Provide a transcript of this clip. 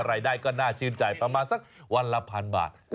อะไรได้ก็น่าชื่นใจประมาทสักวันล่ะ๑๐๐๐บาท